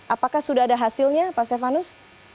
apakah sudah ada hasilnya pak stefanus